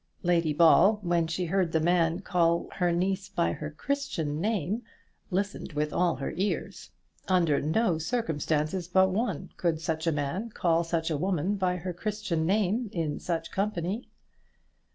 Lady Ball, when she heard the man call her niece by her Christian name, listened with all her ears. Under no circumstances but one could such a man call such a woman by her Christian name in such company.